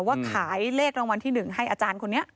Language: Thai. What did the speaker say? ว่าขายเลขรางวัลที่๑ให้อาจารย์คนนี้